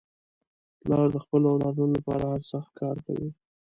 پلار د خپلو اولادنو لپاره هر سخت کار کوي.